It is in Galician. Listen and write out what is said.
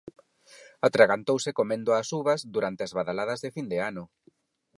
Atragantouse comendo as uvas durante as badaladas de fin de ano